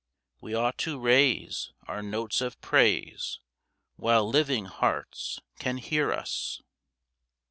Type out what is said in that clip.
We ought to raise our notes of praise While living hearts can hear us.